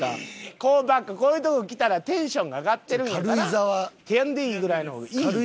こうこういうとこ来たらテンションが上がってるんやからてやんでぃぐらいの方がいい。